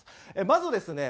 まずですね